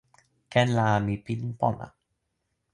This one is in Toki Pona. ken la, mi pilin pona.